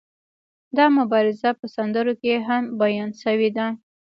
دا مبارزه په سندرو کې هم بیان شوې ده.